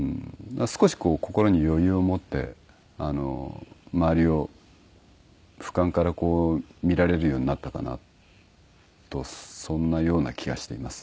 少し心に余裕を持って周りを俯瞰から見られるようになったかなとそんなような気がしています。